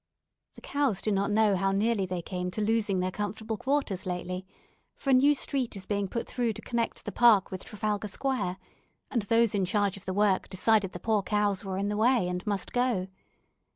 "The cows do not know how nearly they came to losing their comfortable quarters lately; for a new street is being put through to connect the park with Trafalgar Square, and those in charge of the work decided the poor cows were in the way and must go.